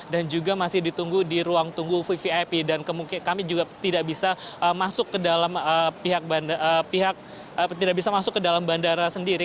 dan juga masih ditunggu di ruang tunggu vip dan kami juga tidak bisa masuk ke dalam bandara sendiri